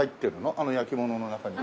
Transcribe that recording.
あの焼き物の中に。